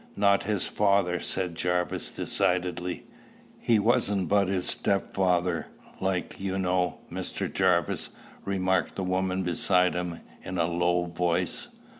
"Not his father." said Jarvis decidedly. "He wasn't but his step father, like, you know, Mr. Jarvis," remarked the woman beside him in a low voice.